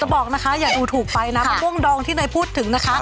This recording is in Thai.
บอกนะคะอย่าดูถูกไปนะมะม่วงดองที่นายพูดถึงนะคะ